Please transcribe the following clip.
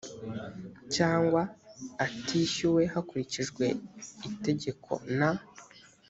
cyangwa atishyuwe hakurikijwe itegeko n